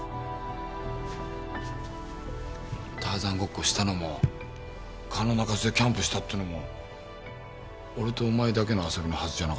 ターザンごっこしたのも川の中州でキャンプしたっていうのも俺とお前だけの遊びのはずじゃなかったっけ？